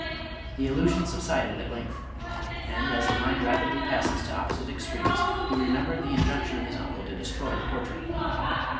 The illusion subsided at length ; and as the mind rapidly passes to opposite extremes^ he remembered the injunction of his uncle to destroy the por trait.